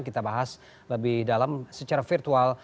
kita bahas lebih dalam secara virtual